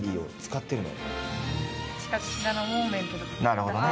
なるほどね。